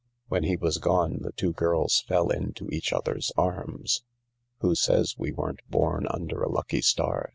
When he was gone the two girls fell into each other's arms. " Who says we weren't born under a lucky star